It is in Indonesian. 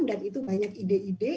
dan itu banyak ide ide